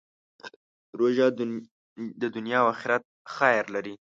روژه د دنیا او آخرت خیر لري.